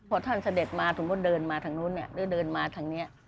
พอท่านเสด็จมาสมมุติเดินมาทางนู้นหรือเดินมาทางนี้